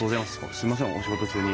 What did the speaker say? すみませんお仕事中に。